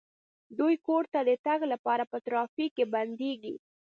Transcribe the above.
دوی کور ته د تګ لپاره په ترافیک کې بندیږي